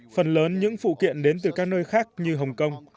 phần lớn những phụ kiện đến từ các nơi khác như hồng kông